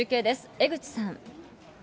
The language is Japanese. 江口さん。